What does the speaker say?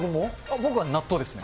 僕は納豆ですね。